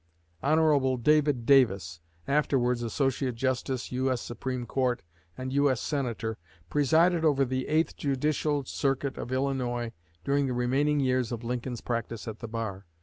Hon. David Davis, afterwards Associate Justice U.S. Supreme Court and U.S. Senator, presided over the Eighth Judicial Circuit of Illinois during the remaining years of Lincoln's practice at the bar.